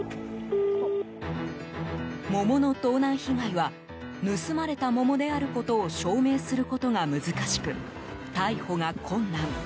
桃の盗難被害は盗まれた桃であることを証明することが難しく逮捕が困難。